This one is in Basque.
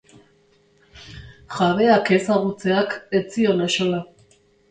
Jabeak ezagutzeak ez zion axola.